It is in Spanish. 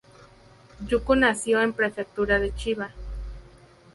Yuko nació en Prefectura de Chiba.